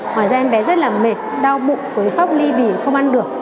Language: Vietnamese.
ngoài ra em bé rất là mệt đau bụng quấy phóc ly bì không ăn được